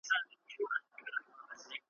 له کلونو پکښي کور د لوی تور مار وو `